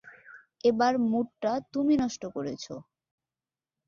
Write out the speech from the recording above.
এবার মুডটা তুমি নষ্ট করছো।